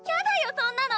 そんなの！